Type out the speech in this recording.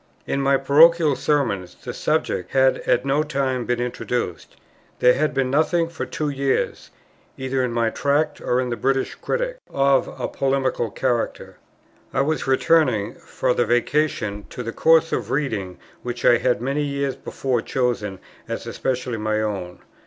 In my Parochial Sermons the subject had at no time been introduced: there had been nothing for two years, either in my Tracts or in the British Critic, of a polemical character. I was returning, for the Vacation, to the course of reading which I had many years before chosen as especially my own.